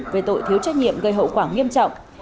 về tội thiếu trách nhiệm gây hậu quả nghiêm trọng